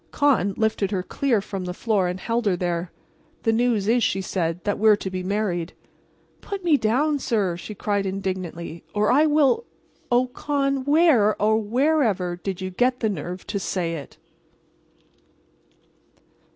Con lifted her clear from the floor and held her there. "The news is," he said, "that we're to be married." "Put me down, sir!" she cried indignantly, "or I will— Oh, Con, where, oh, wherever did you get the nerve to say it?"